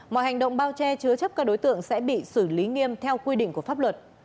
mọi hành động bao che chứa chấp các đối tượng sẽ bị xử lý nghiêm theo quy định của pháp luật